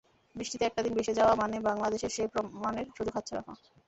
বৃষ্টিতে একটা দিন ভেসে যাওয়া মানে বাংলাদেশের সেই প্রমাণের সুযোগ হাতছাড়া হওয়া।